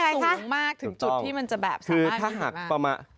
คือจะต้องสูงมากถึงจุดที่มันจะแบบสามารถเป็นใหญ่มาก